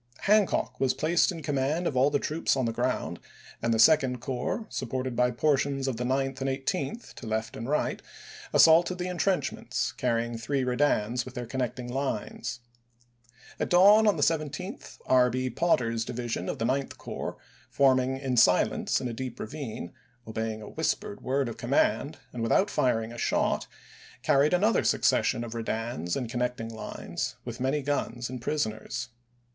Hancock was placed in command of all the troops on the ground, and the Second Corps, supported by portions of the Ninth and the Eighteenth to left and right, assaulted the in PETEKSBUBG 411 trenchments, carrying three redans with their ch. xviii. connecting lines. gp.m., °... June 16. At dawn on the 17th R. B. Potter's division of the Ninth Corps, forming in silence in a deep ravine, obeying a whispered word of command, and with out firing a shot, carried another succession of redans and connecting lines, with many guns and prisoners.